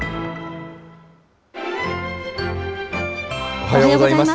おはようございます。